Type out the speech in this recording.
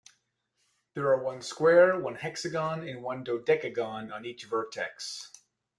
There are one square, one hexagon, and one dodecagon on each vertex.